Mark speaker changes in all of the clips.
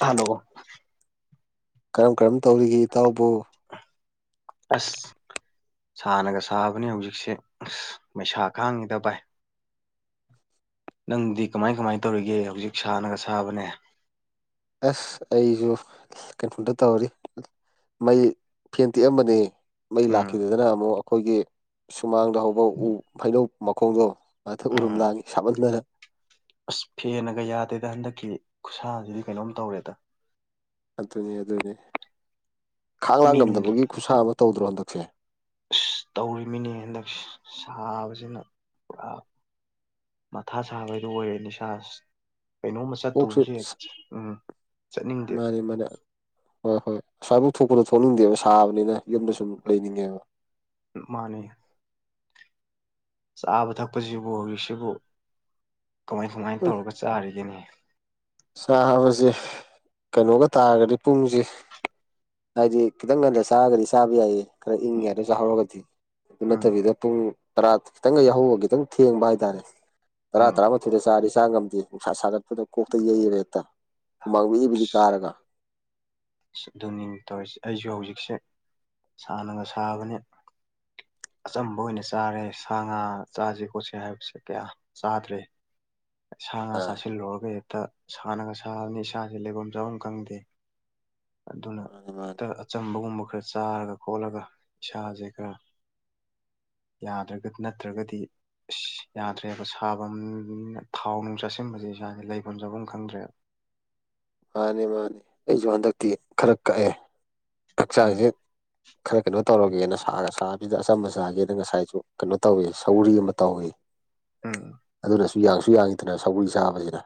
Speaker 1: hello
Speaker 2: ꯀꯔꯝ ꯀꯔꯝ ꯇꯧꯔꯤꯒꯦ ꯏꯇꯥꯎꯕꯨ
Speaker 1: ꯑꯁ ꯁꯥꯅꯒ ꯁꯥꯕꯅꯤ ꯍꯧꯖꯤꯛꯁꯦ ꯑꯁ ꯃꯩꯁꯥ ꯈꯥꯡꯉꯤꯗ ꯚꯥꯏ ꯅꯪꯗꯤ ꯀꯃꯥꯏ ꯀꯃꯥꯏ ꯇꯧꯔꯤꯒꯦ ꯍꯧꯖꯤꯛ ꯁꯥꯅꯒ ꯁꯥꯕꯅꯦ
Speaker 2: ꯑꯁ ꯑꯩꯁꯨ ꯀꯩꯅꯣꯗ ꯇꯧꯔꯤ ꯃꯩ ꯐꯦꯟ ꯇꯤꯛꯑꯝꯕꯅꯦ ꯃꯩ
Speaker 1: ꯎꯝ
Speaker 2: ꯂꯥꯛꯈꯤꯗꯗꯅ ꯑꯃꯨꯛ ꯑꯩꯈꯣꯏꯒꯤ ꯁꯨꯃꯥꯡꯗ ꯍꯧꯕ ꯎ ꯍꯩꯅꯧ ꯃꯈꯣꯡꯗꯣ ꯑꯗ ꯎꯔꯨꯝ
Speaker 1: ꯎꯝ
Speaker 2: ꯂꯥꯡꯉꯤ ꯁꯥꯃꯟꯗꯅ
Speaker 1: ꯑꯁ ꯐꯦꯟꯅꯒ ꯌꯥꯗꯦꯗ ꯍꯟꯗꯛꯀꯤ ꯈꯨꯠꯁꯥꯁꯤꯗꯤ ꯀꯩꯅꯣꯝ ꯇꯧꯔꯦꯗ
Speaker 2: ꯑꯗꯨꯅꯤ ꯑꯗꯨꯅꯤ ꯈꯥꯡ ꯂꯥꯛ
Speaker 1: ꯃꯤ ꯅꯨꯡꯒꯤ
Speaker 2: ꯉꯝꯗꯕꯒꯤ ꯈꯨꯠꯁꯥ ꯑꯃ ꯇꯧꯗ꯭ꯔꯣ ꯍꯟꯗꯛꯁꯦ
Speaker 1: ꯑꯁ ꯇꯧꯔꯤꯃꯤꯅꯦ ꯍꯟꯗꯛ ꯁꯥꯕꯁꯤꯅ ꯄꯨꯔꯥ ꯃꯊꯥ ꯁꯥꯕ ꯍꯥꯏꯗꯣ ꯑꯣꯏꯔꯦꯅꯦ ꯏꯁꯥꯁꯤ ꯀꯩꯅꯣꯝꯃ
Speaker 2: ꯀꯣꯛꯁꯦ
Speaker 1: ꯆꯠꯇꯨꯕꯁꯦ ꯍꯦꯛ ꯎꯝ ꯆꯠꯅꯤꯡꯗꯦ
Speaker 2: [unintelligible] ꯍꯣꯏ ꯍꯣꯏ ꯑꯁ꯭ꯋꯥꯏꯐꯥꯎ ꯊꯣꯛꯄꯗꯣ ꯊꯣꯛꯅꯤꯡꯗꯦꯕ ꯁꯥꯕꯅꯤꯅ ꯌꯨꯝꯗ ꯁꯨꯝ ꯂꯩꯅꯤꯡꯉꯦꯕ
Speaker 1: ꯃꯥꯅꯤ ꯆꯥꯕ ꯊꯛꯄꯁꯤꯕꯨ ꯍꯧꯖꯤꯛꯁꯤꯕꯨ ꯀꯃꯥꯏ ꯀꯃꯥꯏꯅ
Speaker 2: ꯎꯝ
Speaker 1: ꯇꯧꯔꯒ ꯆꯥꯔꯤꯒꯅꯤ
Speaker 2: ꯆꯥꯕꯁꯦ ꯀꯩꯅꯣꯒ ꯇꯥꯔꯒꯗꯤ ꯄꯨꯡꯁꯦ ꯍꯥꯏꯗꯤ ꯈꯤꯇꯪ ꯉꯟꯗ ꯆꯥꯔꯒꯗꯤ ꯆꯥꯕ ꯌꯥꯏꯌꯦ ꯈꯔ ꯏꯪꯉꯤꯉꯩꯗ ꯆꯥꯍꯧꯔꯒꯗꯤ ꯑꯗꯨ
Speaker 1: ꯎꯝ
Speaker 2: ꯅꯠꯇꯕꯤꯗ ꯄꯨꯡ ꯇꯔꯥ ꯈꯤꯇꯪꯒ ꯌꯥꯍꯧꯕ ꯈꯤꯇꯪ ꯊꯦꯡꯕ ꯍꯥꯏꯇꯥꯔꯦ ꯇꯔꯥ
Speaker 1: ꯎꯝ
Speaker 2: ꯇꯔꯥ ꯁꯤꯗ ꯆꯥꯗꯤ ꯆꯥ ꯉꯝꯗꯦ ꯅꯨꯡꯁꯥ ꯁꯥꯒꯠꯄꯗ ꯀꯣꯛꯇ ꯌꯩꯔ ꯍꯦꯛꯇ ꯍꯨꯃꯥꯡꯒꯤ ꯕꯤꯔꯤ ꯕꯤꯔꯤ ꯀꯥꯔꯒ
Speaker 1: ꯑ ꯑꯗꯨꯅꯤ ꯇꯧꯔꯤꯁꯦ ꯑꯩꯁꯨ ꯍꯧꯖꯤꯛꯁꯦ ꯁꯥꯟꯅꯒ ꯁꯥꯕꯅꯦ ꯑꯆꯝꯕ ꯑꯣꯏꯅ ꯆꯥꯔꯦ ꯁꯥ ꯉꯥ ꯆꯥꯁꯤ ꯈꯣꯠꯁꯤ ꯍꯥꯏꯕꯁꯦ ꯀꯌꯥ ꯆꯥꯗ꯭ꯔꯦ ꯁꯥ ꯉꯥ
Speaker 2: ꯑꯥ
Speaker 1: ꯆꯥꯁꯤꯜꯂꯨꯔꯒ ꯍꯦꯛꯇ ꯁꯥꯅꯒ ꯁꯥꯕꯅꯤ ꯏꯁꯥꯁꯤ ꯂꯩꯕꯝ ꯆꯥꯐꯝ ꯈꯪꯗꯦ ꯑꯗꯨꯅ
Speaker 2: [unintelligible]
Speaker 1: ꯍꯛꯇ ꯑꯆꯝꯕꯒꯨꯝꯕ ꯈꯔ ꯆꯥꯔꯒ ꯈꯣꯠꯂꯒ ꯏꯁꯥꯁꯦ ꯈꯔ ꯌꯥꯗ꯭ꯔꯒ ꯅꯠꯇ꯭ꯔꯒꯗꯤ ꯑꯁ ꯌꯥꯗ꯭ꯔꯦꯕ ꯁꯥꯐꯝꯅ ꯊꯥꯎ ꯅꯨꯡ ꯆꯥꯁꯤꯟꯕꯁꯦ ꯏꯁꯥꯒꯤ ꯂꯩꯐꯝ ꯆꯥꯐꯝ ꯈꯪꯗ꯭ꯔꯦꯕ
Speaker 2: ꯃꯥꯅꯤ ꯃꯥꯅꯦ ꯑꯩꯁꯨ ꯍꯟꯗꯛꯇꯤ ꯈꯔ ꯀꯛꯑꯦ
Speaker 1: ꯎꯝ
Speaker 2: ꯍꯛꯆꯥꯡꯁꯦ ꯈꯔ ꯀꯩꯅꯣ ꯇꯧꯔꯒꯦꯅ ꯁꯥꯒ ꯁꯥꯕꯖꯤꯗ ꯑꯆꯝꯕ ꯆꯥꯒꯦꯅ ꯉꯁꯥꯏꯁꯨ ꯀꯩꯅꯣ ꯇꯧꯏ ꯁꯧꯔꯤ ꯑꯃ ꯇꯧꯏ
Speaker 1: ꯎꯝ
Speaker 2: ꯑꯗꯨꯅꯁꯨ ꯌꯥꯡꯁꯨ ꯌꯥꯡꯉꯤꯗꯅ ꯁꯧꯒ꯭ꯔꯤ ꯆꯥꯕꯁꯤꯅ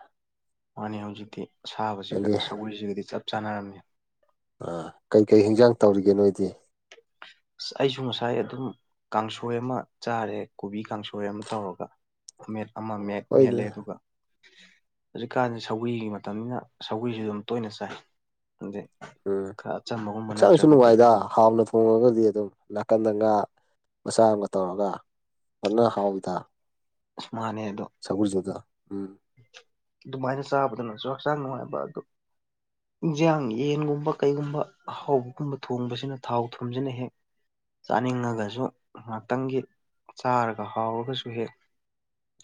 Speaker 1: ꯃꯥꯅꯤ ꯍꯧꯖꯤꯛꯇꯤ ꯑꯁꯥꯕꯁꯤꯒ
Speaker 2: ꯑꯗꯒꯤ
Speaker 1: ꯁꯧꯒ꯭ꯔꯤꯁꯤꯒꯗꯤ ꯆꯞ ꯆꯥꯟꯅꯔꯝꯅꯤ
Speaker 2: ꯑꯥ ꯀꯩꯀꯩ ꯍꯤꯟꯖꯥꯡ ꯇꯧꯔꯤꯒꯦ ꯅꯣꯏꯗꯤ
Speaker 1: ꯑꯁ ꯑꯩꯁꯨ ꯉꯁꯥꯏ ꯑꯗꯨꯝ ꯀꯥꯡꯁꯣꯏ ꯑꯃ ꯆꯥꯔꯦ ꯀꯣꯕꯤ ꯀꯥꯡꯁꯣꯏ ꯑꯃ ꯇꯧꯔꯒ ꯑꯃꯦꯠꯄ ꯑꯃ ꯃꯦꯠ ꯃꯦꯠꯂꯦ
Speaker 2: ꯍꯣꯏꯗ
Speaker 1: ꯑꯗꯨꯒ ꯍꯧꯖꯤꯛꯀꯥꯟꯗꯤ ꯁꯧꯒꯔꯤ ꯃꯇꯝꯅꯤꯅ ꯁꯧꯒ꯭ꯔꯤꯖꯨ ꯑꯗꯨꯝ ꯇꯣꯏꯅ ꯆꯥꯏ ꯑꯗꯨꯗꯤ ꯈꯔ ꯑꯆꯝꯕꯒꯨꯝꯕ ꯅꯠꯇ꯭ꯔꯒꯗꯤ
Speaker 2: ꯑꯥ ꯍꯥꯞꯂ ꯍꯣꯡꯉꯒꯗꯤ ꯑꯗꯨꯝ ꯅꯥꯀꯟꯗ ꯉꯥ ꯃꯆꯥ ꯑꯃ ꯇꯧꯔꯒ ꯑꯅꯥ ꯍꯥꯎꯗ
Speaker 1: ꯑꯅꯦ ꯑꯗꯨ
Speaker 2: ꯁꯒꯨꯜꯖꯨꯗ ꯎꯝ
Speaker 1: ꯗꯨꯃꯥꯏꯅ ꯆꯥꯕꯗꯅꯁꯨ ꯍꯛꯆꯥꯡ ꯅꯨꯡꯉꯥꯏꯕ ꯑꯗꯨ ꯏꯟꯖꯥꯡ ꯌꯦꯟꯒꯨꯝꯕ ꯀꯩꯒꯨꯝꯕ ꯑꯍꯥꯎꯕꯒꯨꯝꯕ ꯊꯣꯡꯕꯁꯤꯅ ꯊꯥꯎ ꯊꯨꯝꯁꯤꯅ ꯍꯦꯛ ꯆꯥꯅꯤꯡꯉꯒꯁꯨ ꯉꯥꯛꯇꯪꯒꯤ ꯆꯥꯔꯒ ꯍꯥꯎꯔꯒꯁꯨ ꯍꯦꯛ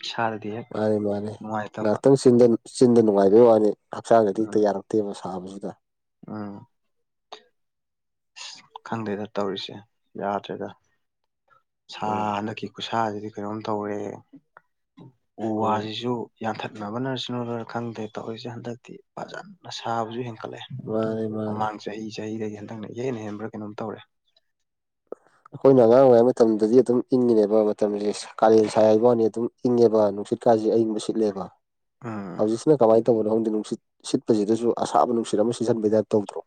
Speaker 1: ꯏꯁꯥꯗꯗꯤ ꯍꯦꯛ
Speaker 2: ꯃꯥꯅꯤ ꯃꯥꯅꯤ
Speaker 1: ꯅꯨꯡꯉꯥꯏꯇꯕ
Speaker 2: ꯉꯍꯥꯛꯇꯪ ꯆꯤꯟꯗ ꯆꯤꯟꯗ ꯅꯨꯡꯉꯥꯏꯕꯩ ꯋꯥꯅꯤ ꯍꯛꯆꯥꯡꯗꯗꯤ ꯍꯦꯛꯇ ꯌꯥꯔꯛ ꯑꯇꯦꯕ ꯁꯥꯕꯖꯤꯗ
Speaker 1: ꯑꯥ ꯑꯁ ꯈꯪꯗꯦꯗ ꯇꯧꯔꯤꯁꯦ ꯌꯥꯗ꯭ꯔꯦꯗ
Speaker 2: ꯎꯝ
Speaker 1: ꯁꯥꯟꯅꯈꯤ ꯈꯨꯁꯥꯁꯤꯗꯤ ꯀꯩꯅꯣꯝ ꯇꯧꯔꯦꯍꯦ ꯎ
Speaker 2: ꯎꯝ
Speaker 1: ꯋꯥꯁꯤꯁꯨ ꯌꯥꯟꯊꯠꯅꯕꯅꯁꯨꯔꯅ ꯈꯪꯗꯦ ꯇꯧꯔꯤꯁꯦ ꯍꯟꯗꯛꯇꯤ ꯐꯖꯟꯅ ꯁꯥꯕꯁꯨ ꯍꯦꯟꯀꯠꯂꯛꯑꯦ
Speaker 2: ꯃꯥꯅꯦ ꯃꯥꯅꯦꯦ
Speaker 1: ꯃꯃꯥꯡ ꯆꯍꯤ ꯆꯍꯤꯗꯒꯤ ꯍꯟꯗꯛꯅ ꯏꯍꯦꯟ ꯍꯦꯟꯕ꯭ꯔ ꯀꯩꯅꯣꯝ ꯇꯧꯔꯦ
Speaker 2: ꯑꯩꯈꯣꯏꯅ ꯑꯉꯥꯡ ꯑꯣꯏꯔꯤ ꯃꯇꯝꯗꯗꯤ ꯑꯗꯨꯝ ꯏꯪꯉꯤꯅꯦꯕ ꯃꯇꯝꯁꯦ ꯀꯥꯂꯦꯟ ꯁꯥꯏ ꯍꯥꯏꯕ꯭ꯋꯥꯅꯤ ꯑꯗꯨꯝ ꯏꯪꯉꯦꯕ ꯅꯨꯡꯁꯤꯠꯀꯥꯁꯦ ꯑꯏꯪꯕ ꯁꯤꯠꯂꯦꯕ
Speaker 1: ꯎꯝ
Speaker 2: ꯍꯧꯖꯤꯛꯁꯤꯅ ꯀꯃꯥꯏ ꯇꯧꯕꯅꯣ ꯈꯪꯗꯦ ꯅꯨꯡꯁꯤꯠ ꯁꯤꯠꯄꯁꯤꯗꯁꯨ ꯑꯁꯥꯕ ꯅꯨꯡꯁꯤꯠ ꯑꯃ ꯁꯤꯖꯟꯕꯩ ꯇꯥꯏꯞ ꯇꯧꯗ꯭ꯔꯣ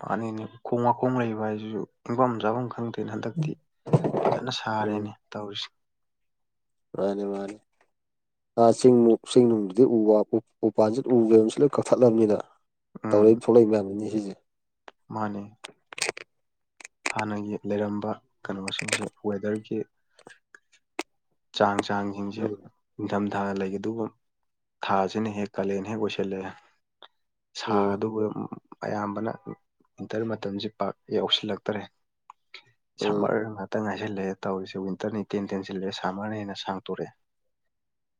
Speaker 1: ꯃꯥꯟꯅꯤꯅꯦ ꯈꯣꯡ ꯋꯥꯈꯣꯡ ꯂꯩꯕ ꯍꯥꯏꯁꯤꯁꯨ ꯏꯪꯐꯝ ꯆꯥꯐꯝ ꯈꯪꯗꯦ ꯑꯦꯅ ꯍꯟꯗꯛꯇꯤ ꯐꯖꯅ ꯁꯥꯔꯦꯅꯦ ꯇꯧꯔꯤꯁꯤ
Speaker 2: ꯃꯥꯅꯦ ꯃꯥꯅꯦ ꯑꯥ ꯆꯤꯡꯅꯨ ꯆꯤꯡ ꯅꯨꯡꯗꯨꯗꯤ ꯎ ꯋꯥ ꯀꯨ ꯎꯄꯥꯟꯁꯤꯗ ꯎꯕꯁ ꯂꯣꯏ ꯀꯛꯊꯠꯂꯕꯅꯤꯅ ꯇꯧꯔꯛꯏ ꯊꯣꯛꯂꯛꯏ ꯃꯌꯥꯝꯗꯨꯅꯤꯅꯦ ꯁꯤꯖꯦ
Speaker 1: ꯃꯥꯟꯅꯦ ꯍꯥꯟꯅꯒꯤ ꯂꯩꯔꯝꯕ ꯀꯩꯅꯣꯁꯤꯡꯁꯦ ꯋꯦꯗꯔꯒꯤ ꯆꯥꯡ ꯆꯥꯡꯁꯤꯡꯁꯦ
Speaker 2: ꯎꯝ
Speaker 1: ꯅꯤꯡꯊꯝꯊꯥ ꯂꯩꯒꯗꯧꯒꯨꯝ ꯊꯥꯁꯤꯅ ꯍꯦꯛ ꯀꯥꯂꯦꯟ ꯍꯦꯛ ꯑꯣꯏꯁꯤꯜꯂꯛꯑꯦ
Speaker 2: ꯎꯝ
Speaker 1: ꯁꯥꯗꯨꯒ ꯎꯝ ꯎꯝ ꯑꯌꯥꯝꯕꯅ ꯋꯤꯟꯇꯔ ꯃꯇꯝꯁꯦ ꯄꯥꯛ ꯌꯥꯎꯁꯜꯂꯛꯇ꯭ꯔꯦ
Speaker 2: ꯎꯝ
Speaker 1: ꯁꯝꯃꯔ ꯉꯥꯛꯇ ꯉꯥꯏꯁꯤꯜꯂꯛꯑꯦ ꯇꯧꯔꯤꯁꯦ ꯋꯤꯟꯇꯔꯅ ꯏꯇꯦꯟ ꯇꯦꯟꯁꯤꯜꯂꯛꯑꯦ ꯁꯝꯃꯔ ꯍꯦꯟꯅ ꯁꯥꯡꯇꯣꯔꯛꯑꯦ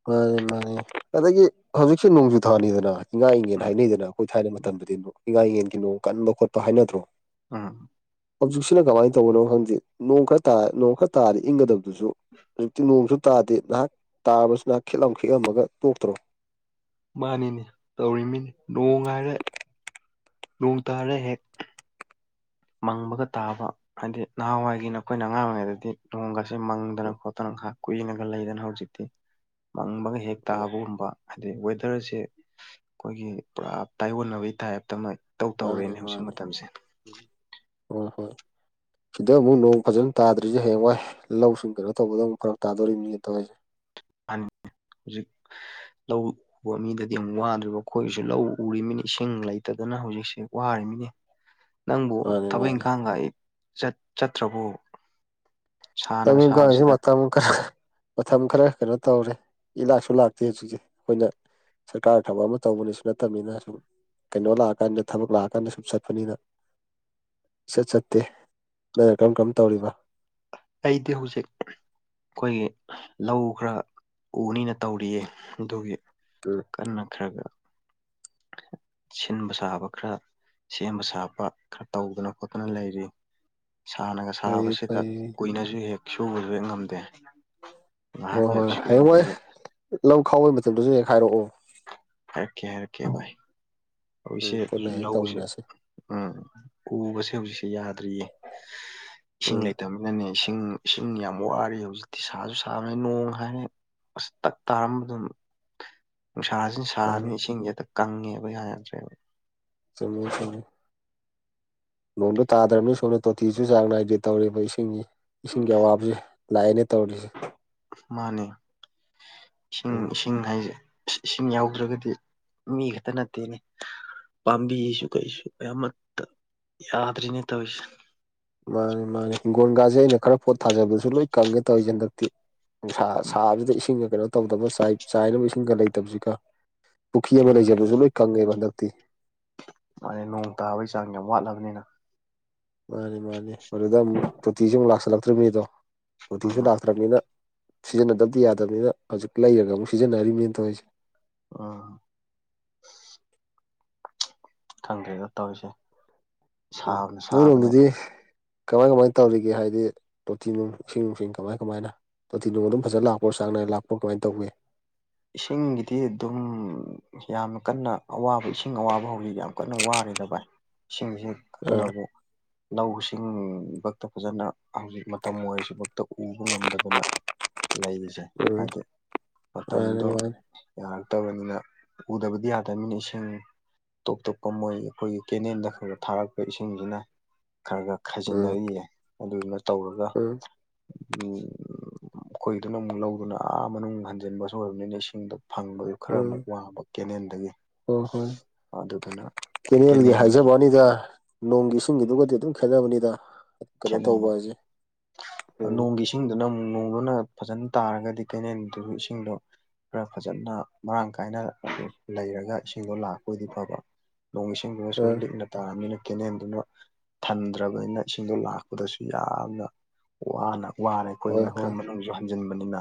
Speaker 2: ꯃꯥꯅꯤ ꯃꯥꯅꯤ ꯑꯗꯒꯤ ꯍꯧꯖꯤꯛꯁꯦ ꯅꯣꯡꯖꯨ ꯊꯥꯅꯤꯗꯅ ꯏꯉꯥ ꯏꯉꯦꯟ
Speaker 1: ꯎꯝ
Speaker 2: ꯍꯥꯏꯅꯩꯗꯅꯥ ꯑꯩꯈꯣꯏ ꯊꯥꯏꯅꯩ ꯃꯇꯝꯗꯗꯤ ꯑꯃꯨꯛ ꯏꯉꯥ ꯏꯉꯦꯟꯒꯤ ꯅꯣꯡ ꯀꯟꯕ ꯈꯣꯠꯄ ꯍꯥꯏꯅꯗ꯭ꯔꯣ
Speaker 1: ꯎꯝ
Speaker 2: ꯍꯧꯖꯤꯛꯁꯤꯅ ꯀꯃꯥꯏ ꯇꯧꯕꯅꯣ ꯈꯪꯗꯦ ꯅꯣꯡ ꯈꯔ ꯇꯥ ꯅꯣꯡ ꯈꯔ ꯇꯥꯔꯗꯤ ꯏꯪꯒꯗꯕꯗꯨꯁꯨ ꯍꯧꯖꯤꯛꯇꯤ ꯅꯣꯡꯁꯨ ꯇꯥꯗꯦ ꯅꯍꯥꯛ ꯇꯥꯔꯕꯁꯨ ꯅꯍꯥꯛ ꯈꯤꯠꯂꯥꯎ ꯈꯤꯛꯑꯝꯃꯒ ꯇꯣꯛꯇ꯭ꯔꯣ
Speaker 1: ꯃꯥꯟꯅꯤꯅꯦ ꯇꯧꯔꯤꯃꯤꯅꯤ ꯅꯣꯡ ꯉꯥꯏꯔꯦ ꯅꯣꯡ ꯇꯥꯔꯦ ꯍꯦꯛ ꯃꯪꯕꯒ ꯇꯥꯕ ꯍꯥꯏꯗꯤ ꯅꯍꯥꯟꯋꯥꯏꯒꯤꯅ ꯑꯩꯈꯣꯏꯅ ꯑꯉꯥꯡ ꯑꯣꯏꯔꯤꯉꯩꯗꯗꯤ ꯅꯣꯡꯒꯁꯦ ꯃꯪꯗꯅ
Speaker 2: ꯎꯝ
Speaker 1: ꯈꯣꯠꯇꯅ ꯉꯥꯏꯍꯥꯛ ꯀꯨꯏꯅꯒ ꯂꯩꯗꯅ ꯍꯧꯖꯤꯛꯇꯤ ꯃꯪꯕꯒ ꯍꯦꯛ ꯍꯦꯛ
Speaker 2: ꯎꯝ
Speaker 1: ꯇꯥꯕꯒꯨꯝꯕ ꯍꯥꯏꯗꯤ ꯋꯦꯗꯔꯁꯦ ꯈꯣꯏꯒꯤ ꯄꯨꯔꯥ ꯇꯥꯏꯌꯣꯟꯅꯕꯩ ꯇꯥꯏꯞꯇ ꯑꯃ ꯏꯇꯧ
Speaker 2: ꯃꯥꯅꯦ
Speaker 1: ꯇꯧꯔꯦꯅꯦ ꯍꯧꯖꯤꯛ
Speaker 2: ꯃꯥꯅꯦ
Speaker 1: ꯃꯇꯝꯁꯦ
Speaker 2: ꯍꯣꯏ ꯍꯣꯏ ꯁꯤꯗ ꯑꯃꯨꯛ ꯅꯣꯡ ꯐꯖꯅ ꯇꯥ꯭ꯔꯤꯁꯦ ꯍꯌꯦꯡꯋꯥꯏ ꯂꯧꯁꯤꯡ ꯀꯩꯅꯣ ꯇꯧꯕꯗ ꯑꯃꯨꯛ ꯐꯔꯛ ꯇꯥꯗꯣꯔꯤꯃꯤꯅꯦ ꯇꯧꯏꯁꯦ
Speaker 1: ꯃꯥ ꯅꯤ ꯍꯧꯖꯤꯛ ꯂꯧ ꯎꯕ ꯃꯤꯗꯗꯤ ꯑꯃꯨꯛ ꯋꯥꯗꯨꯔꯤꯕ ꯑꯩꯈꯣꯏꯒꯤꯁꯨ ꯂꯧ ꯎꯔꯤꯃꯤꯅꯤ ꯏꯁꯤꯡ ꯂꯩꯇꯗꯅ ꯍꯧꯖꯤꯛꯁꯦ ꯋꯥꯔꯤꯃꯤꯅꯦ
Speaker 2: [inaudible]
Speaker 1: ꯅꯪꯕꯨ
Speaker 2: ꯃꯥꯅꯤ
Speaker 1: ꯊꯕꯛ
Speaker 2: ꯃꯥꯅꯤ
Speaker 1: ꯏꯪꯈꯥꯡꯒ ꯑꯩ ꯆꯠ ꯆꯠꯇ꯭ꯔꯕꯣ
Speaker 2: ꯊꯕꯛ ꯏꯟꯈꯥꯡꯁꯦ ꯃꯇꯝ ꯈꯔ ꯃꯇꯝ ꯈꯔ ꯀꯩꯅꯣ ꯇꯧꯔꯦ ꯏꯂꯥꯛꯁꯨ ꯂꯥꯛꯇꯦ ꯍꯧꯖꯤꯛꯁꯦ ꯑꯩꯈꯣꯏꯅ ꯁꯔꯀꯥꯔ ꯊꯕꯛ ꯑꯃ ꯇꯧꯕꯅꯦꯁꯨ ꯅꯠꯇꯝꯅꯤꯅ ꯁꯨꯝ ꯀꯩꯅꯣ ꯂꯥꯛꯑꯀꯥꯟꯗ ꯊꯕꯛ ꯂꯥꯛꯑꯀꯥꯟꯗ ꯁꯨꯝ ꯆꯠꯄꯅꯤꯅ ꯁꯠ ꯆꯠꯇꯦ ꯅꯪꯅ ꯀꯔꯝ ꯀꯔꯝ ꯇꯧꯔꯤꯕ
Speaker 1: ꯑꯩꯗꯤ ꯍꯧꯖꯤꯛ ꯈꯣꯏꯒꯤ ꯂꯧ ꯈꯔ ꯎꯅꯤꯅ ꯇꯧꯔꯤꯌꯦ ꯑꯗꯨꯒꯤ
Speaker 2: ꯎꯝ
Speaker 1: ꯀꯟꯅ ꯈꯔꯒ ꯁꯤꯟꯕ ꯁꯥꯕ ꯈꯔ ꯁꯦꯝꯕ ꯁꯥꯕ ꯈꯔ ꯇꯧꯗꯅ ꯈꯣꯠꯇꯅ ꯂꯩꯔꯤ ꯁꯥꯅꯒ
Speaker 2: ꯐꯩ
Speaker 1: ꯁꯥꯕꯁꯤꯗ
Speaker 2: ꯐꯩ
Speaker 1: ꯀꯨꯏꯅꯁꯨ ꯍꯦꯛ ꯁꯨꯕꯁꯨ ꯍꯦꯛ ꯉꯝꯗꯦ ꯉꯥꯏꯍꯥꯛ
Speaker 2: ꯍꯣꯏ ꯍꯣꯏ
Speaker 1: ꯍꯦꯛ
Speaker 2: ꯍꯌꯦꯡꯋꯥꯏ
Speaker 1: ꯁꯨꯔꯒꯗꯤ
Speaker 2: ꯂꯧ ꯈꯥꯎꯕꯩ ꯃꯇꯝꯗꯁꯨ ꯍꯦꯛ ꯍꯥꯏꯔꯛꯑꯣ
Speaker 1: ꯍꯥꯏꯔꯛꯀꯦ ꯍꯥꯏꯔꯛꯀꯦ ꯚꯥꯏ
Speaker 2: ꯎꯝ
Speaker 1: ꯍꯧꯖꯤꯛꯁꯦ
Speaker 2: ꯄꯨꯟꯅ ꯍꯦꯛ
Speaker 1: ꯂꯧꯁꯦ
Speaker 2: ꯇꯧꯃꯤꯟꯅꯁꯤ
Speaker 1: ꯎꯝ ꯎꯕꯁꯦ ꯍꯧꯖꯤꯛꯁꯦ ꯌꯥꯗ꯭ꯔꯤꯌꯦ ꯏꯁꯤꯡ
Speaker 2: ꯎꯝ
Speaker 1: ꯂꯩꯇꯕ ꯑꯗꯨꯅꯦ ꯏꯁꯤꯡ ꯏꯁꯤꯡ ꯌꯥꯝ ꯋꯥꯔꯤ ꯍꯧꯖꯤꯛꯇꯤ ꯁꯥꯁꯨ ꯁꯥꯕꯅꯦ ꯅꯣꯡ ꯍꯥꯏꯔꯦ ꯑꯁ ꯇꯛꯇꯥꯔꯝꯃꯗꯨꯝ
Speaker 2: [inaudible]
Speaker 1: ꯅꯨꯡꯁꯥꯁꯤꯅ
Speaker 2: ꯃꯥꯅꯤ
Speaker 1: ꯁꯥꯔꯃꯤꯅ ꯏꯁꯤꯡꯁꯦ ꯍꯦꯛꯇ ꯀꯪꯉꯦꯕ ꯌꯥꯗꯔꯦ
Speaker 2: ꯆꯨꯃꯤ ꯆꯨꯨꯃꯤ ꯅꯣꯡꯗꯣ ꯇꯥꯗ꯭ꯔꯕꯅꯤ ꯁꯣꯝꯗ ꯇꯣꯇꯤꯁꯨ ꯆꯥꯡ ꯅꯥꯏꯗꯦ ꯇꯧꯔꯤꯕ ꯏꯁꯤꯡꯒꯤ ꯏꯁꯤꯡꯒꯤ ꯑꯋꯥꯕꯁꯦ ꯂꯥꯛꯑꯦꯅꯦ ꯇꯧꯔꯤꯁꯤ
Speaker 1: ꯃꯥꯅꯦ ꯏꯁꯤꯡ
Speaker 2: ꯎꯝ
Speaker 1: ꯏꯁꯤꯡ ꯍꯥꯏꯖꯦ ꯏꯁꯤꯡ ꯌꯥꯎꯗ꯭ꯔꯒꯗꯤ ꯃꯤ ꯈꯛꯇ ꯅꯠꯇꯦꯅꯦ ꯄꯥꯝꯕꯤꯁꯨ ꯀꯩꯁꯨ ꯑꯃꯠꯇ ꯌꯥꯗ꯭ꯔꯦꯅꯦ ꯇꯧꯔꯤꯁꯦ
Speaker 2: ꯃꯥꯅꯤ ꯃꯥꯅꯤ ꯍꯤꯡꯒꯣꯟꯒꯥꯁꯦ ꯑꯩꯅ ꯈꯔ ꯄꯣꯠ ꯊꯥꯖꯕꯗꯨꯁꯨ ꯂꯣꯏ ꯀꯪꯉꯦ ꯇꯧꯔꯤꯁꯦ ꯍꯟꯗꯛꯇꯤ ꯅꯨꯡꯁꯥ ꯁꯥꯕꯁꯤꯗ ꯏꯁꯤꯡꯒ ꯀꯩꯅꯣ ꯇꯧꯗꯕ ꯆꯥꯏ ꯆꯥꯏꯅꯕ ꯏꯁꯤꯡꯒ ꯂꯩꯇꯕꯁꯤꯒ ꯄꯨꯈꯤ ꯑꯃ
Speaker 1: ꯎꯝ
Speaker 2: ꯂꯩꯖꯕꯗꯨꯁꯨ ꯂꯣꯏ ꯀꯪꯉꯦꯕ ꯍꯟꯗꯛꯇꯤ
Speaker 1: ꯃꯥꯅꯦ ꯅꯣꯡ ꯇꯥꯕꯒꯤ ꯆꯥꯡ ꯌꯥꯝ ꯋꯥꯠꯂꯕꯅꯤꯅ
Speaker 2: ꯃꯥꯅꯤ ꯃꯥꯅꯤ ꯃꯗꯨꯗ ꯑꯃꯨꯛ ꯇꯣꯇꯤꯁꯨ ꯑꯃꯨꯛ ꯂꯥꯛꯁꯤꯜꯂꯛꯇ꯭ꯔꯤꯕꯅꯤꯗꯣ ꯇꯣꯇꯤꯁꯨ
Speaker 1: ꯎꯝ
Speaker 2: ꯂꯥꯛꯇ꯭ꯔꯝꯅꯤꯅ ꯁꯤꯖꯤꯟꯅꯗꯕꯗꯤ ꯌꯥꯗꯕꯅꯤꯅ ꯍꯧꯖꯤꯛ ꯂꯩꯔꯒ ꯑꯃꯨꯛ ꯁꯤꯖꯤꯟꯅꯔꯤꯝꯅꯤꯅꯦ ꯇꯧꯔꯤꯁꯦ
Speaker 1: ꯑ ꯈꯪꯗ꯭ꯔꯦꯗ ꯇꯧꯔꯤꯁꯦ
Speaker 2: ꯎꯝ
Speaker 1: ꯁꯥꯕꯅ
Speaker 2: ꯅꯣꯏ
Speaker 1: ꯁꯥꯕꯅꯦ
Speaker 2: ꯔꯣꯝꯗꯗꯤ ꯀꯃꯥꯏ ꯀꯃꯥꯏꯅ ꯇꯧꯔꯤꯒꯦ ꯍꯥꯏꯗꯤ ꯇꯣꯇꯤ ꯅꯨꯡ ꯏꯁꯤꯡ ꯅꯨꯡꯁꯤꯡ ꯀꯃꯥꯏ ꯀꯃꯥꯏꯅ ꯇꯣꯇꯤ ꯅꯨꯡ ꯑꯗꯨꯝ ꯐꯖꯟ ꯂꯥꯛꯄ꯭ꯔꯣ ꯆꯥꯡ ꯅꯥꯏꯅ ꯂꯥꯛꯄ꯭ꯔꯣ ꯀꯃꯥꯏꯅ ꯇꯧꯒꯦ
Speaker 1: ꯏꯁꯤꯡꯒꯤꯗꯤ ꯑꯗꯨꯝ ꯌꯥꯝꯅ ꯀꯟꯅ ꯑꯋꯥꯕ ꯏꯁꯤꯡ ꯑꯋꯥꯕ ꯍꯧꯔꯤ ꯌꯥꯝ ꯀꯟꯅ ꯋꯥꯔꯤꯗ ꯚꯥꯏ ꯏꯁꯤꯡꯖꯤꯛ
Speaker 2: ꯑꯥ
Speaker 1: ꯑꯗꯨꯅꯕꯨ ꯂꯧꯁꯤꯡ ꯕꯛꯇ ꯐꯖꯅ ꯍꯧꯖꯤꯛ ꯃꯇꯝ ꯑꯣꯏꯔꯁꯤ ꯕꯧꯇ ꯎꯕ ꯉꯝꯗꯗꯅ ꯂꯩꯔꯤꯁꯦ
Speaker 2: ꯎꯝ ꯃꯥꯅꯤ
Speaker 1: ꯇꯝꯗꯣ
Speaker 2: ꯃꯥꯅꯤ
Speaker 1: ꯌꯥꯔꯛꯇꯕꯅꯤꯅ ꯎꯗꯕꯗꯤ ꯌꯥꯗꯝꯃꯤꯅ ꯏꯁꯤꯡ ꯇꯣꯞ ꯇꯣꯞꯄ ꯃꯣꯏ ꯈꯣꯏꯒꯤ ꯀꯦꯅꯦꯟꯗ ꯈꯔꯒ ꯊꯥꯔꯛꯄ ꯏꯁꯤꯡꯖꯤꯅ ꯈꯔ ꯒ
Speaker 2: ꯎꯝ
Speaker 1: ꯈꯥꯏꯖꯤꯟꯅꯔꯤꯌꯦ ꯑꯗꯨꯗꯨꯅ ꯇꯧꯔꯒ
Speaker 2: ꯎꯝ
Speaker 1: [unintelligible] ꯈꯣꯏꯗꯨꯅ ꯑꯃꯨꯛ ꯂꯧ ꯗꯨꯅꯥ ꯑꯥ ꯃꯅꯨꯡ ꯍꯟꯖꯟꯕ ꯑ‌ꯣꯕꯅꯤꯅ ꯏꯁꯤꯡꯗ‌ꯣ ꯐꯪꯕꯗꯨ ꯈꯔ ꯑꯃꯨꯛ ꯋꯥꯕ ꯀꯦꯅꯦꯟꯗꯒꯤ
Speaker 2: ꯑ‌ꯣ ꯍꯣꯏ ꯀꯦꯅꯦꯜꯒꯤ
Speaker 1: ꯀꯦꯅꯦꯟꯒꯤ
Speaker 2: ꯍꯥꯏꯖꯕ ꯋꯥꯅꯤꯗ ꯅꯣꯡꯒꯤ ꯏꯁꯤꯡ ꯒꯤ ꯗꯨꯒꯗꯤ ꯑꯗꯨꯝ ꯈꯦꯟꯅꯕꯅꯤꯗ ꯀꯩꯅꯣ
Speaker 1: ꯈꯦꯠꯅꯩ
Speaker 2: ꯇꯧꯕ ꯑꯖ‌ꯦ ꯎꯝ
Speaker 1: ꯃꯪꯗꯨꯅ ꯑꯃꯨꯛ ꯅꯣꯡꯗꯨꯅ ꯐꯖꯟ ꯇꯥꯔꯒꯗꯤ ꯀ‌ꯦꯅꯦꯟꯗꯨ ꯏꯁꯤꯡꯗꯣ ꯈꯔ ꯐꯖꯟꯅ ꯃꯔꯥꯡ ꯀꯥꯏꯅ ꯂꯩꯔꯒ ꯏꯁꯤꯡꯗꯣ ꯂꯥꯛꯄ ꯑ‌ꯣꯏꯗꯤ ꯐꯕ ꯅꯣꯡ ꯏꯁꯤꯡꯗꯨꯅꯁꯨ
Speaker 2: ꯑꯥ
Speaker 1: ꯂꯤꯛꯅ ꯇꯥ ꯑꯝꯅꯤꯅ ꯀꯦꯅꯦꯟꯗꯨꯅ ꯊꯟꯗ꯭ꯔꯕꯅꯤꯅ ꯏꯁ ꯁꯤꯡꯗꯣ ꯂꯥꯛꯄꯗꯁꯨ ꯌꯥꯝꯅ ꯋꯥꯅ ꯋꯥꯔ‌ꯦ
Speaker 2: ꯍꯣꯏ
Speaker 1: ꯑꯩꯈꯣꯏꯅ ꯈꯔ
Speaker 2: ꯍꯣꯏ
Speaker 1: ꯃꯅꯨꯡꯖꯨ ꯍꯟ ꯊꯨꯝꯖꯤꯟꯕꯅꯤꯅ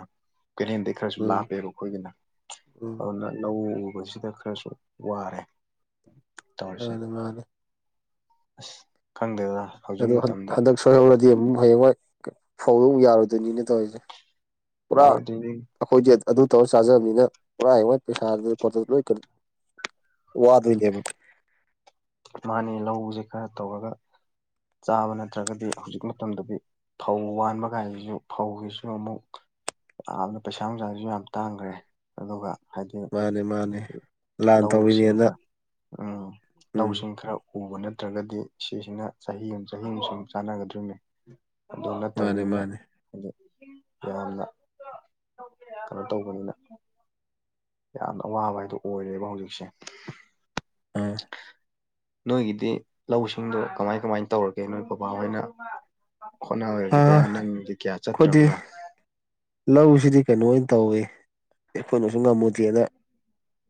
Speaker 1: ꯀ‌ꯦꯅ‌ꯦꯟꯗꯩ ꯈꯔꯁꯨ
Speaker 2: ꯎꯝ
Speaker 1: ꯂꯥꯞꯄꯦꯕ ꯈꯣꯏꯒꯤꯅ
Speaker 2: ꯎꯝ
Speaker 1: ꯑꯗꯨꯅ ꯂꯧ ꯎꯕꯖꯤꯗ ꯈꯔꯁꯨ ꯋꯥꯔꯦ ꯇꯧꯔꯤꯁꯦ
Speaker 2: ꯃꯥꯅꯤ ꯃꯥꯅꯤ
Speaker 1: ꯑꯁ‌ ꯈꯪꯗꯦ ꯗ
Speaker 2: ꯑꯗꯨ ꯍꯟ ꯍꯟꯗꯛ ꯁꯣꯏꯍꯧꯔꯗꯤ ꯑꯝ ꯍꯌꯦꯡ ꯋꯥꯏ ꯐꯧ ꯂꯧ ꯌꯥꯔ‌ꯣꯏ ꯗꯣꯏꯅꯤꯅ‌ꯦ ꯇꯧꯋꯤꯖ‌ꯦ
Speaker 1: ꯌꯥꯔ‌ꯣꯏ ꯗ‌ꯣꯏꯅ‌ꯦ
Speaker 2: ꯑꯈꯣꯏꯗꯤ ꯑꯗ ꯑꯗꯨ ꯇꯧꯔ ꯆꯥꯖꯝꯅꯤꯅ ꯄꯨꯔꯥꯏ ꯋꯥꯠ ꯄꯩꯁꯥꯗꯩ ꯀ‌ꯣꯇꯩ ꯂꯣꯏ ꯀꯟ ꯋꯥꯗ‌ꯣꯏ ꯅ‌ꯦꯕꯥ
Speaker 1: ꯃꯥꯅ‌ꯦ ꯂꯧꯖ‌ꯦ ꯈꯔ ꯇꯧꯔꯒ ꯆꯥꯕ ꯅꯠꯇ꯭ꯔꯒꯗꯤ ꯍꯧꯖꯤꯛ ꯃꯇꯝꯗꯗꯤ ꯐꯧ ꯋꯥꯟꯕ ꯀꯥꯏꯖꯤꯖꯨ ꯐꯧꯒꯤꯁꯨ ꯑꯃꯨꯛ ꯌꯥꯝꯅ ꯄꯩꯁꯥ ꯅꯨꯡꯁꯥꯖꯤꯖꯨ ꯌꯥꯝ ꯇꯥꯡꯒ꯭ꯔꯦ ꯑꯗꯨꯒ ꯍꯥꯏꯗꯤ
Speaker 2: ꯃꯥꯅꯦ ꯃꯥꯅꯦ ꯂꯥꯟ
Speaker 1: ꯂꯧ ꯁꯤꯡ
Speaker 2: ꯇꯧꯔꯤꯅꯦꯅ
Speaker 1: ꯈꯔ ꯎꯝ
Speaker 2: ꯎꯝ
Speaker 1: ꯂꯧꯁꯤꯡ ꯈꯔ ꯎꯕ ꯅꯠꯇ꯭ꯔꯒꯗꯤ ꯁꯤꯁꯤꯅ ꯆꯍꯤ ꯑꯝ ꯆꯍꯤ ꯑꯝ ꯁꯨꯝ ꯆꯥꯅꯒꯗꯔꯨꯝꯅꯤ ꯑꯗꯨ
Speaker 2: ꯃꯥꯅꯦ
Speaker 1: ꯅꯠꯇꯕꯅꯤꯅ
Speaker 2: ꯃꯥꯅꯦ
Speaker 1: ꯑꯗꯤ ꯌꯥꯝꯅ ꯀꯩꯅꯣ ꯇꯧꯕꯅꯤꯅ ꯌꯥꯝꯅ ꯑꯋꯥꯕ ꯍꯥꯏꯗꯣ ꯑꯣꯏꯔꯦꯕ ꯍꯧꯖꯤꯛꯁꯦ
Speaker 2: ꯑꯥ
Speaker 1: ꯅꯣꯏꯒꯤꯗꯤ ꯂꯧ ꯁꯤꯡꯗꯣ ꯀꯃꯥꯏ ꯀꯃꯥꯏ ꯇꯧꯔꯒ‌ꯦ ꯅꯣꯏ ꯕꯕꯥ ꯍꯣꯏꯅ ꯍ‌ꯣꯅꯥꯕꯩꯗꯤ
Speaker 2: ꯑꯥ
Speaker 1: ꯄꯨꯔ ꯅꯪꯗꯤ ꯀꯌꯥ
Speaker 2: ꯑꯩꯈꯣꯏꯗꯤ
Speaker 1: ꯆꯠꯇ꯭ꯔꯕ꯭ꯔꯥ
Speaker 2: ꯂꯧꯁꯤꯗꯤ ꯀꯩꯅꯣ ꯑꯣꯏꯟ ꯇꯧꯋꯤ ꯑꯩꯈꯣꯏꯅꯁꯨ ꯉꯝꯃꯨꯗꯦꯅ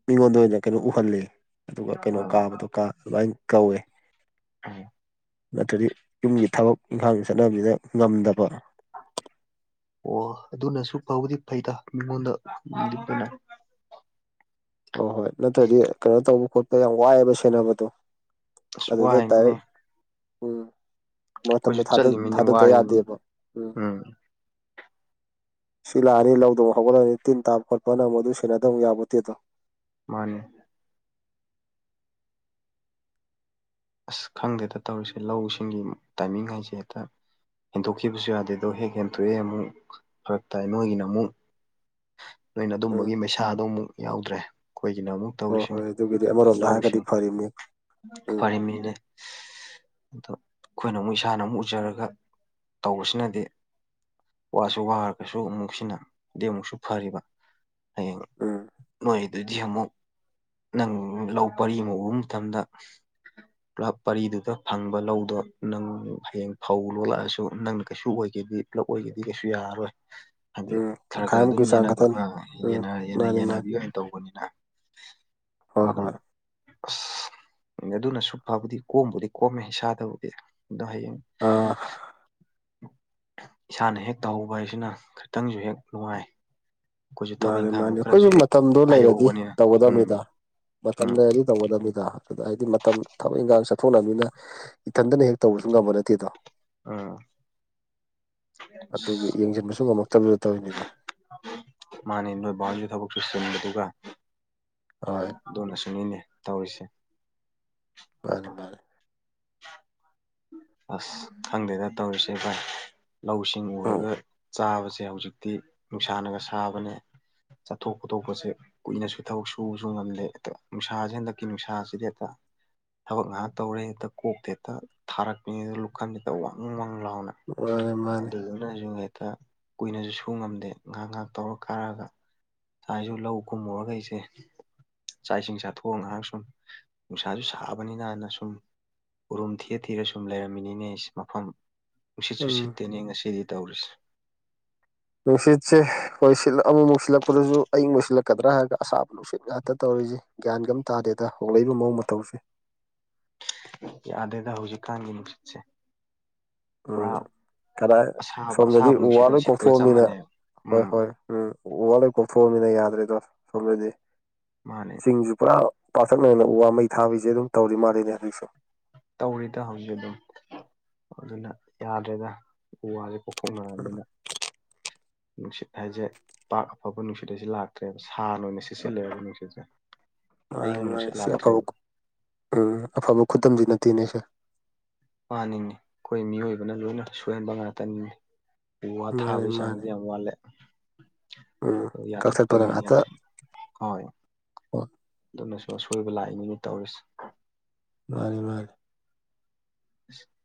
Speaker 2: ꯃꯤꯉꯣꯟꯗ ꯑꯣꯏꯅ ꯀꯩꯅꯣ ꯎꯍꯜꯂꯤ ꯑꯗꯨꯒ ꯀꯩꯅꯣ ꯀꯥꯕꯗꯣ ꯀꯥ ꯑꯗꯨꯃꯥꯏꯟ ꯀꯧꯋꯦ
Speaker 1: [unintelligible]
Speaker 2: ꯅꯠꯇ꯭ꯔꯗꯤ ꯌꯨꯝꯒꯤ ꯊꯕꯛ ꯏꯪꯈꯥꯡ ꯆꯠꯅꯕꯖꯤꯗ ꯉꯝꯗꯕ
Speaker 1: ꯑꯣ ꯑꯗꯨꯅꯁꯨ ꯐꯥꯕꯨꯗꯤ ꯐꯩꯗ ꯃꯤꯉꯣꯟꯗ [unintelligible]
Speaker 2: ꯑꯣ ꯍꯣꯏ ꯅꯠꯇ꯭ꯔꯗꯤ ꯀꯩꯅꯣ ꯇꯧꯕ ꯈꯣꯠꯄ ꯌꯥꯝ ꯋꯥꯏꯌ‌ꯦꯕ ꯁꯦꯅꯕꯗꯣ
Speaker 1: ꯑꯁ
Speaker 2: ꯑꯗꯨꯗ ꯗꯥꯏꯔꯦꯛ
Speaker 1: ꯋꯥꯔꯤꯅꯤꯅꯦ
Speaker 2: ꯎꯝ
Speaker 1: ꯑꯩꯈꯣꯏꯁꯨ
Speaker 2: ꯃꯇꯝꯗ‌ꯣ ꯊꯥꯗ
Speaker 1: ꯆꯠꯂꯤꯃꯤꯅꯦ
Speaker 2: ꯊꯥꯗꯗ
Speaker 1: ꯋꯥꯔꯤꯅꯤ
Speaker 2: ꯌꯥꯗꯦꯕ ꯎꯝ ꯁꯤ ꯂꯥ ꯑꯅꯤ ꯂꯧꯗ‌ꯣ ꯑꯃꯨ ꯍꯧꯒꯂꯅꯤ ꯇꯤꯟ ꯇꯥꯕ ꯈꯣꯠꯄꯅ ꯑꯅꯥ ꯑꯃꯨ ꯑꯗꯨ ꯁꯦꯟꯅꯗꯕ ꯌꯥꯕ‌ꯣꯇꯦꯗꯣ
Speaker 1: ꯃꯥꯅ‌ꯦ ꯑꯁ ꯈꯪꯗꯦ ꯇꯧꯔꯤꯁꯦ ꯂꯧꯁꯤꯡꯒꯤ ꯇꯥꯏꯃꯤꯡ ꯍꯥꯏꯁꯦ ꯍꯦꯛꯇ ꯍꯦꯟꯇꯣꯛꯈꯤꯕꯁꯨ ꯌꯥꯗꯦ ꯗꯣ ꯍꯦꯛ ꯍꯦꯟꯇꯣꯑꯦ ꯑꯃꯨꯛ ꯐꯔꯛ ꯇꯥꯏ ꯅꯣꯏꯒꯤꯅ ꯑꯃꯨ ꯅꯣꯏꯅ
Speaker 2: ꯎꯝ
Speaker 1: ꯑꯗꯨꯝꯕꯒꯤ ꯃꯩꯁꯥꯗꯣ ꯑꯃꯨꯛ ꯌꯥꯎꯗ꯭ꯔꯦ ꯑꯩꯈꯣꯏꯒꯤꯅ ꯑꯃꯨꯛ
Speaker 2: ꯍꯣꯏ
Speaker 1: ꯇꯧꯔꯤꯁꯤꯅꯦ
Speaker 2: ꯍꯣꯏ ꯑꯗꯨꯒꯤꯗꯤ ꯑꯃꯔꯣꯝꯗ ꯍꯥꯏꯔꯒꯗꯤ
Speaker 1: ꯂꯧꯁꯤꯡ
Speaker 2: ꯐꯔꯤꯅꯤ ꯎꯝ
Speaker 1: ꯐꯔꯤꯝꯃꯤꯅꯦ ꯑꯗꯣ ꯑꯩꯈꯣꯏꯅ ꯑꯃꯨꯛ ꯏꯁꯥꯅ ꯑꯃꯨꯛ ꯎꯖꯔꯒ ꯇꯧꯕꯁꯤꯅꯗꯤ ꯋꯥꯁꯨ ꯋꯥꯔꯒꯁꯨ ꯑꯃꯨꯛꯁꯤꯅ ꯑꯗꯨꯗꯤ ꯑꯃꯨꯛꯁꯨ ꯐꯔꯤꯕ ꯍꯌꯦꯡ
Speaker 2: ꯎꯝ
Speaker 1: ꯅꯣꯏ ꯑꯗꯨ ꯗꯤ ꯑꯃꯨꯛ ꯅꯪ ꯂꯧ ꯄꯔꯤ ꯑꯃ ꯎꯕ ꯃꯇꯝꯗ
Speaker 2: [inaudible]
Speaker 1: ꯀ꯭ꯂꯞ ꯄꯔꯤꯗꯨꯗ ꯐꯪꯕ ꯂꯧꯗꯣ ꯅꯪ ꯍꯌꯦꯡ ꯐꯧ ꯂꯣꯜꯂꯛꯑꯁꯨ ꯅꯪꯅ ꯀꯩꯁꯨ ꯑꯣꯏꯒꯦꯗꯤ ꯄꯨꯂꯞ ꯑꯣꯏꯒꯤꯗꯤ ꯀꯩꯁꯨ ꯌꯥꯔꯣꯏ
Speaker 2: [inaudible]
Speaker 1: ꯍꯥꯏꯕꯗꯤ ꯊꯔꯒ
Speaker 2: ꯇꯪꯈꯥꯏꯃꯨꯛꯀꯤ
Speaker 1: ꯑꯗꯨꯨꯝ
Speaker 2: ꯆꯥꯡ
Speaker 1: ꯌꯦꯟꯅꯕ
Speaker 2: ꯈꯛꯇꯅꯤ
Speaker 1: ꯑ
Speaker 2: ꯎꯝ ꯃꯥꯅꯤ ꯃꯥꯅꯤ
Speaker 1: ꯌꯦꯟꯅꯕꯤꯌ ꯑꯣꯏꯅ ꯇꯧꯕꯅꯤꯅ
Speaker 2: ꯍꯣꯏ ꯍꯣꯏ
Speaker 1: ꯑꯗꯨꯅ ꯑꯁ ꯑꯗꯨꯅꯁꯨ ꯐꯕꯨꯗꯤ ꯀꯣꯝꯕꯨꯗꯤ ꯀꯣꯝꯃꯦ ꯏꯁꯥꯗꯕꯨꯗꯤ ꯑꯗꯣ ꯍꯌꯦꯡ
Speaker 2: ꯑꯥ
Speaker 1: ꯏꯁꯥꯅ ꯍꯦꯛ ꯇꯧꯍꯧꯕ ꯍꯥꯏꯁꯤꯅ ꯈꯤꯇꯪꯁꯨ ꯍꯦꯛ ꯅꯨꯡꯉꯥꯏ ꯑꯩꯈꯣꯏꯁꯨ ꯊꯕꯛ
Speaker 2: ꯃꯥꯅꯤ
Speaker 1: ꯏꯪꯈꯥꯡꯗꯣ
Speaker 2: ꯃꯥꯅꯤ
Speaker 1: ꯈꯔꯁꯨ
Speaker 2: ꯑꯩꯈꯣꯏꯁꯨ
Speaker 1: ꯍꯦꯛ
Speaker 2: ꯃꯇꯝꯗꯣ ꯂꯩꯔꯗꯤ
Speaker 1: ꯍꯩꯍꯧꯕꯅꯤꯅ ꯎꯝ
Speaker 2: ꯇꯧꯒꯗꯕꯅꯤꯗ ꯃꯇꯝ
Speaker 1: ꯎꯝ
Speaker 2: ꯂꯩꯔꯗꯤ ꯇꯧꯒꯗꯕꯅꯤꯗ ꯑꯗꯨꯗ ꯍꯥꯏꯗꯤ ꯃꯇꯝ ꯊꯕꯛ ꯏꯟꯈꯥꯡ ꯆꯠꯊꯣꯛꯅꯕꯅꯤꯅ ꯏꯊꯟꯇꯅ ꯍꯦꯛ ꯇꯧꯕꯁꯨ ꯉꯝꯕ ꯅꯠꯇꯦꯗꯣ
Speaker 1: ꯎꯝ
Speaker 2: ꯑꯗꯨꯒꯤ ꯌꯦꯡꯁꯤꯟꯕꯁꯨ ꯉꯝꯃꯛꯇꯕꯗꯨꯗ ꯇꯧꯔꯤꯅꯤꯗꯣ
Speaker 1: ꯃꯅꯤ ꯅꯣꯏ ꯕꯥꯖꯨ ꯊꯕꯛ ꯆꯤꯟꯕꯗꯨꯒ
Speaker 2: ꯍꯣꯏ
Speaker 1: ꯑꯗꯨꯅꯁꯨꯨꯅꯤꯅꯦ ꯇꯧꯔꯤꯁꯦ
Speaker 2: ꯃꯥꯅꯤ ꯃꯥꯅꯤ
Speaker 1: ꯑꯁ ꯈꯪꯗꯦꯗ ꯇꯧꯔꯤꯁꯦ ꯚꯥꯏ ꯂꯧꯁꯤꯡ
Speaker 2: ꯎꯝ
Speaker 1: ꯎꯔꯒ ꯆꯥꯕꯁꯦ ꯍꯧꯖꯤꯛꯇꯤ ꯅꯨꯡꯁꯥꯅꯒ ꯁꯥꯕꯅꯦ ꯆꯥꯊꯣꯛ ꯈꯣꯊꯣꯛꯄꯁꯦ ꯀꯨꯏꯅꯁꯨ ꯊꯕꯛ ꯁꯨꯕꯁꯨ ꯉꯝꯗꯦ ꯅꯨꯡꯁꯥꯁꯦ ꯍꯟꯗꯛꯀꯤ ꯅꯨꯡꯁꯥꯁꯤꯗꯤ ꯍꯦꯛꯇ ꯊꯕꯛ ꯉꯥꯏꯍꯥꯛ ꯇꯧꯔꯦ ꯍꯦꯛꯇ ꯀꯣꯛꯇ ꯍꯦꯛꯇ ꯊꯥꯔꯛꯄꯅꯦ ꯂꯨꯈꯝꯁꯤꯗ ꯋꯪ ꯋꯪ ꯂꯥꯎꯅ
Speaker 2: ꯃꯥꯅꯦ ꯃꯥꯅꯦ
Speaker 1: ꯑꯗꯨꯅꯁꯨ ꯍꯦꯛꯇ ꯀꯨꯏꯅꯁꯨ ꯁꯨ ꯉꯝꯗꯦ ꯉꯥꯏꯍꯥꯛ ꯉꯥꯏꯍꯥꯛ ꯇꯧꯔ ꯀꯥꯔꯒ ꯉꯥꯏꯁꯨ ꯂꯧ ꯀꯨꯝꯃꯨꯔꯒ ꯑꯩꯁꯦ ꯆꯥꯛ ꯏꯁꯤꯡ ꯆꯥꯊꯣꯛꯑꯒ ꯉꯥꯏꯍꯥꯛ ꯁꯨꯝ ꯅꯨꯡꯁꯥꯁꯨ ꯁꯥꯕꯅꯤꯅꯅ ꯁꯨꯝ ꯎꯔꯨꯝ ꯊꯤꯔ ꯊꯤꯔ ꯁꯨꯝ ꯂꯩꯔꯝꯃꯤꯅꯤꯅꯦ ꯑꯩꯁꯦ ꯃꯐꯝ ꯅꯨꯡꯁꯤꯠꯁꯨ
Speaker 2: ꯎꯝ
Speaker 1: ꯁꯤꯠꯇꯦꯅꯦ ꯉꯁꯤꯗꯤ ꯇꯧꯔꯤꯁꯦ
Speaker 2: ꯅꯨꯡꯁꯤꯠꯁꯦ ꯍꯣꯏ ꯁꯤꯠꯂ ꯑꯃꯨꯃꯨꯛ ꯁꯤꯜꯂꯛꯄꯗꯁꯨ ꯑꯌꯤꯡꯕ ꯁꯤꯠꯂꯛꯀꯗ꯭ꯔꯥ ꯍꯥꯏꯒ ꯑꯁꯥꯕ ꯅꯨꯡꯁꯤꯠ ꯉꯥꯛꯇ ꯇꯧꯔꯤꯁꯦ ꯒ꯭ꯌꯥꯟꯒ ꯑꯃꯝ ꯇꯥꯗꯦꯗ ꯍꯣꯡꯂꯛꯏꯕ ꯃꯑꯣꯡ ꯃꯇꯧꯁꯦ
Speaker 1: ꯌꯥꯗꯦꯗ ꯍꯧꯖꯤꯛꯀꯥꯟꯒꯤ ꯅꯨꯡꯁꯤꯠꯁꯦ ꯄꯨꯔꯥ
Speaker 2: ꯎꯝ ꯀꯗꯥꯏ
Speaker 1: ꯑꯁꯥꯕ
Speaker 2: ꯑꯁꯣꯝꯗꯗꯤ
Speaker 1: ꯑꯁꯥꯕ
Speaker 2: ꯎ ꯋꯥ
Speaker 1: ꯅꯨꯡꯁꯤꯠ ꯑꯣꯏꯅ
Speaker 2: ꯂꯣꯏ
Speaker 1: ꯁꯤꯠꯄꯒ ꯆꯞ
Speaker 2: ꯀꯣꯛꯊꯣꯛꯑꯃꯅꯤꯅ
Speaker 1: ꯃꯥꯟꯅꯩꯕ
Speaker 2: ꯍꯣꯏ
Speaker 1: ꯎꯝ
Speaker 2: ꯍꯣꯏ ꯎꯝ ꯎ ꯋꯥ ꯂꯣꯏ ꯀꯣꯛꯊꯣꯛꯑꯃꯤꯅ ꯌꯥꯗ꯭ꯔꯦꯗꯣ ꯁꯣꯝꯗꯗꯤ
Speaker 1: ꯃꯥꯅꯦ
Speaker 2: ꯆꯤꯡꯗꯁꯨ ꯄꯨꯔꯥ ꯄꯥꯛꯇꯛꯅꯅ ꯎ ꯋꯥ ꯃꯩ ꯊꯥꯕꯁꯦ ꯑꯗꯨꯝ ꯇꯧꯔꯤ ꯃꯥꯜꯂꯤꯅꯦ ꯍꯧꯖꯤꯛꯁꯨ
Speaker 1: ꯇꯧꯔꯤꯇ ꯍꯧꯖꯤꯛ ꯑꯗꯨꯝ ꯑꯗꯨꯅ ꯌꯥꯗ꯭ꯔꯦꯗ ꯎ ꯋꯥꯁꯦ ꯀꯣꯛꯊꯣꯛꯅꯔꯃꯅꯤꯅ ꯅꯨꯡꯁꯤꯠ ꯍꯥꯏꯁꯦ ꯄꯥꯛ ꯑꯐꯕ ꯅꯨꯡꯁꯤꯠ ꯍꯥꯏꯁꯦ ꯂꯥꯛꯇ꯭ꯔꯦꯕ ꯁꯥꯅ ꯑꯣꯏꯅ ꯁꯤꯠꯂꯃꯤꯅ ꯅꯨꯡꯁꯤꯠꯁꯦ
Speaker 2: ꯃꯥꯅꯤ
Speaker 1: ꯑꯌꯤꯡꯕ
Speaker 2: ꯃꯥꯅꯤ
Speaker 1: ꯅꯨꯡꯁꯤꯠ
Speaker 2: ꯁꯤ ꯑꯐꯕ
Speaker 1: ꯂꯥꯛꯇ꯭ꯔꯦꯕ
Speaker 2: ꯎꯝ ꯑꯐꯕ ꯈꯨꯗꯝꯗꯤ ꯅꯠꯇꯦꯅꯦ ꯁꯦ
Speaker 1: ꯃꯥꯅꯤꯅꯦ ꯑꯩꯈꯣꯏ ꯃꯤꯑꯣꯏꯕꯅ ꯂꯣꯏꯅ ꯁꯣꯏꯍꯟꯕ ꯉꯥꯛꯇꯅꯤꯅꯦ ꯎ ꯋꯥ
Speaker 2: ꯃꯥꯅꯤ ꯃꯥꯅꯤ
Speaker 1: ꯊꯥꯕꯩꯆꯥꯡꯗꯤ ꯌꯥꯝ ꯋꯥꯠꯂꯦ
Speaker 2: ꯎꯝ ꯀꯛꯊꯠꯄꯅ
Speaker 1: ꯌꯥꯟꯊꯠꯄꯒꯤꯅꯤ
Speaker 2: ꯉꯥꯛꯇ
Speaker 1: ꯌꯥꯟꯊꯠ ꯍꯣꯏ ꯑꯗꯨꯅꯁꯨ ꯑꯁꯣꯏꯕ ꯂꯥꯛꯏꯅꯤꯅꯦ ꯇꯧꯔꯤꯁꯦ
Speaker 2: ꯃꯥꯅꯤꯃꯥꯅꯤ
Speaker 1: [unintelligible]